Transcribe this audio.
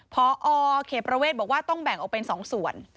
พอเขตประเวทบอกว่าต้องแบ่งออกเป็น๒ส่วน